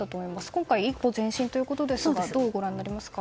今回、一歩前進ということですがどうご覧になりますか？